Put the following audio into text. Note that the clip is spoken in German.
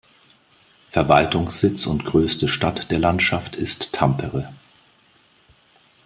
Verwaltungssitz und größte Stadt der Landschaft ist Tampere.